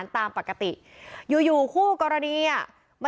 เลิกเลิกเลิกเลิกเลิกเลิก